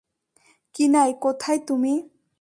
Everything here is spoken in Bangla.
কিনাই, কোথায় তুমি?